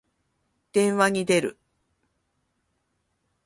電話に出る。